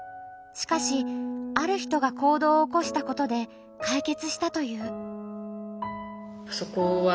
しかしある人が行動をおこしたことで解決したという。